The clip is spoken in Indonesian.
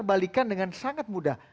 itu bisa diputar putar dengan sangat mudah